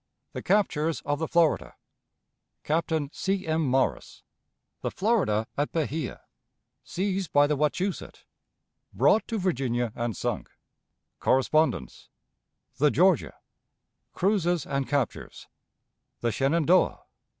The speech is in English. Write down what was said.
The Captures of the Florida. Captain C. M. Morris. The Florida at Bahia. Seized by the Wachusett. Brought to Virginia and sunk. Correspondence. The Georgia. Cruises and Captures. The Shenandoah.